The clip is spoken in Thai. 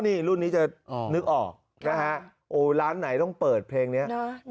นี่รุ่นนี้จะนึกออกนะฮะโอ้ร้านไหนต้องเปิดเพลงนี้